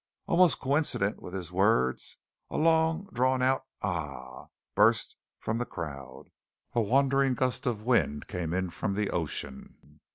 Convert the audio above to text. Almost coincident with his words a long drawn a ah! burst from the crowd. A wandering gust of wind came in from the ocean.